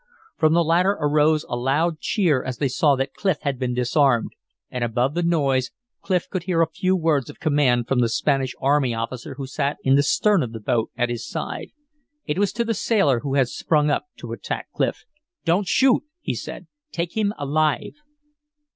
From the latter arose aloud cheer as they saw that Clif had been disarmed, and above the noise Clif could hear a few words of command from the Spanish army officer who sat in the stern of the boat at his side. It was to the sailor who had sprung up to attack Clif. "Don't shoot!" he said. "Take him alive!"